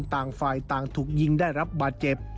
ต่างฝ่ายต่างถูกยิงได้รับบาดเจ็บ